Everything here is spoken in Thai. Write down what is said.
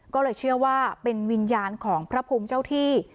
ก็เลยเชื่อว่าเป็นวิญญาณของพระภูมิเจ้าที่